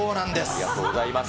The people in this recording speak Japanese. ありがとうございます。